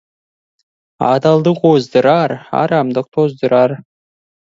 Адалдық оздырар, арамдық тоздырар.